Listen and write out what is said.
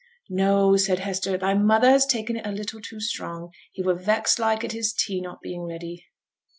'No!' said Hester, 'thy mother has taken it a little too strong; he were vexed like at his tea not being ready.'